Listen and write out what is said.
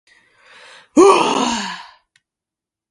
Therefore, Gunn means "God of the Dead".